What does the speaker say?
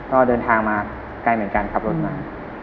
ก็เดินทางมาไกลเหมือนกันขับรถมา